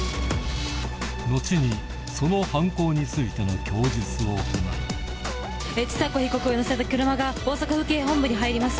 後にその犯行についての供述を行う千佐子被告を乗せた車が大阪府警本部に入ります。